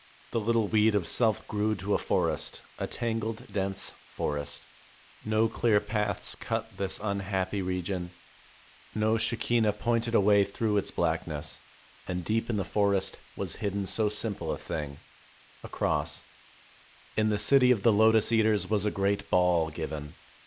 The little weed of self grew to a forest, a tangled, dense forest. Ko clear paths cut this unhappy region, no Shekinah pointed a way through its blackness, and deep in the forest was hidden so sim ple a thing — a cross. In the city of the Lotus eaters was a great ball given.